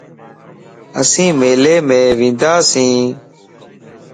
اسين ميلي مَ ونداسين